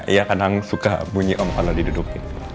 iya kadang suka bunyi om kalau didudukin